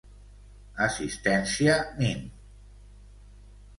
Assistència mín.